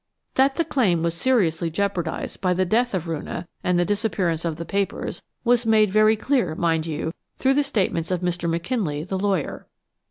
That the claim was seriously jeopardised by the death of Roonah and the disappearance of the papers, was made very clear, mind you, through the statements of Mr. McKinley, the lawyer.